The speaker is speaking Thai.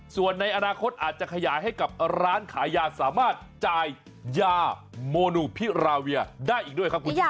ส่วนในอนาคตอาจจะขยายให้กับร้านขายยาสามารถจ่ายยาโมนูพิราเวียได้อีกด้วยครับคุณชนะ